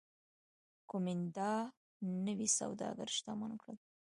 کومېنډا نوي سوداګر شتمن کړل